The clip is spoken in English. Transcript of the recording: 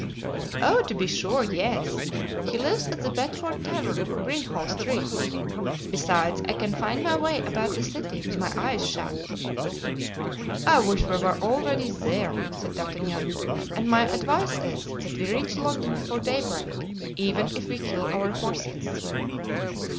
"Oh! to be sure, yes. He lives at the Bedford Tavern, Greenhall Street. Besides, I can find my way about the city with my eyes shut." "I wish we were already there," said D'Artagnan; "and my advice is that we reach London before daybreak, even if we kill our horses."